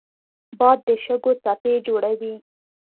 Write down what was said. باد د شګو څپې جوړوي